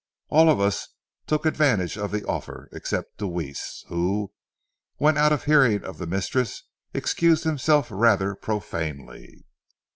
All of us took advantage of the offer, except Deweese, who, when out of hearing of the mistress, excused himself rather profanely.